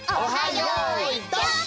よいどん」。